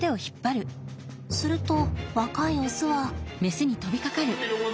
すると若いオスは。